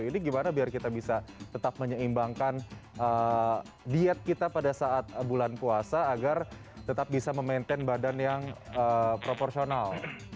jadi gimana biar kita bisa tetap menyeimbangkan diet kita pada saat bulan puasa agar tetap bisa memaintain badan yang proporsional